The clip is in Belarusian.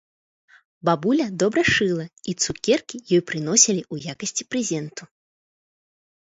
Бабуля добра шыла, і цукеркі ёй прыносілі ў якасці прэзенту.